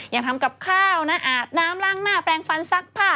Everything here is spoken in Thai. ยังทำกับข้าวนะอาบน้ำล้างหน้าแปลงฟันซักผ้า